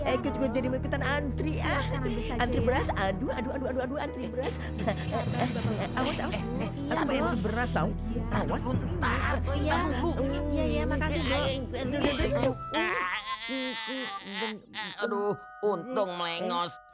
ikut ikutan antri antri beras aduh aduh aduh aduh aduh aduh aduh aduh aduh aduh aduh aduh aduh aduh